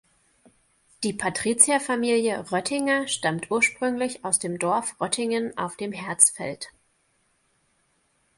Die Patrizierfamilie Röttinger stammt ursprünglich aus dem Dorf Röttingen auf dem Härtsfeld.